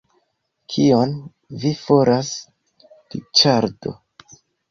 Kion vi faras Riĉardo!